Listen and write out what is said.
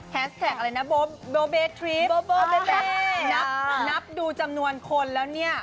แท็กอะไรนะโบเบทริปนับนับดูจำนวนคนแล้วเนี่ย